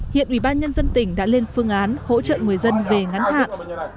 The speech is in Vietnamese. hiện ủy ban nhân dân tỉnh đã lên phương án hỗ trợ người dân về ngắn hạn